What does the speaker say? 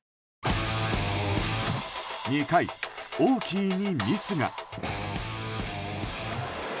２回、オーキーにミスが。